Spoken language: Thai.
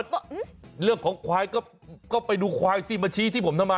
ก็เรื่องของควายก็ไปดูควายสิมาชี้ที่ผมทำไม